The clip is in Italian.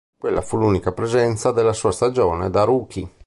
Quella fu l'unica presenza della sua stagione da rookie.